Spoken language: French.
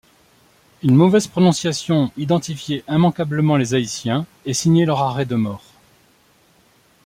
Une mauvaise prononciation identifiait immanquablement les Haïtiens et signait leur arrêt de mort.